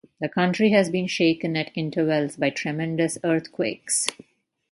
The country has been shaken at intervals by tremendous earthquakes.